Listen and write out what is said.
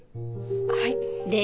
はい。